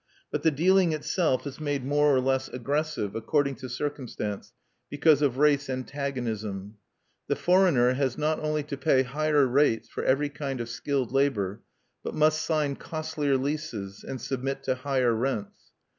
But the dealing itself is made more or less aggressive, according to circumstance, because of race antagonism. The foreigner has not only to pay higher rates for every kind of skilled labor; but must sign costlier leases, and submit to higher rents.